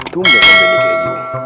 tunggu kenapa ini kayak gini